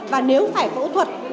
và nếu phải phẫu thuật